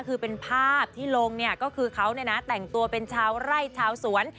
คือเป็นภาพที่ลงเนี่ยก็คือเขาแต่งตัวเป็นชาวไร่ชาวสวน